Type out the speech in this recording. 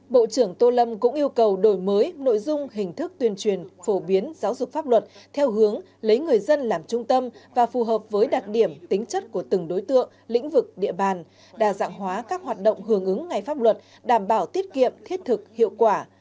bộ trưởng tô lâm cũng yêu cầu đổi mới nội dung hình thức tuyên truyền phổ biến giáo dục pháp luật theo hướng lấy người dân làm trung tâm và phù hợp với đặc điểm tính chất của từng đối tượng lĩnh vực địa bàn đa dạng hóa các hoạt động hưởng ứng ngày pháp luật đảm bảo tiết kiệm thiết thực hiệu quả